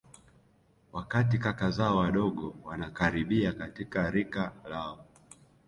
wakati kaka zao wadogo wanakaribia katika rika lao